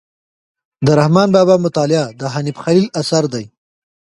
د رحمان بابا مطالعه د حنیف خلیل اثر دی.